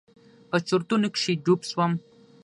په چورتونو کښې ډوب سوم.